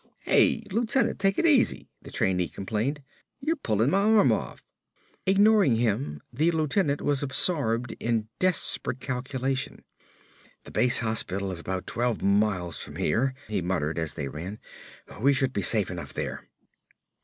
"Hey, lieutenant, take it easy," the trainee complained, "you're pulling my arm off!" Ignoring him, the lieutenant was absorbed in desperate calculation. "The base hospital is about twelve miles from here," he muttered as they ran. "We should be safe enough there."